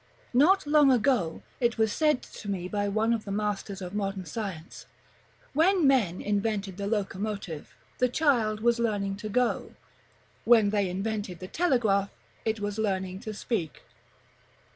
Not long ago, it was said to me by one of the masters of modern science: "When men invented the locomotive, the child was learning to go; when they invented the telegraph, it was learning to speak."